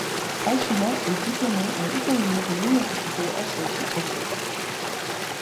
Aoshima est diplômée en économie de l’Université Hosei de Tokyo.